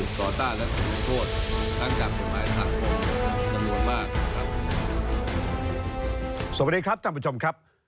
สวัสดีครับท่านผู้ชมครับ